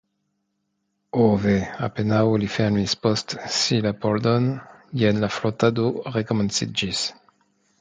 Ho ve, apenaŭ li fermis post si la pordon, jen la frotado rekomenciĝis.